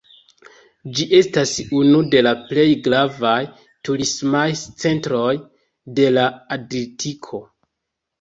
Ĝi estas unu de la plej gravaj turismaj centroj de la Adriatiko.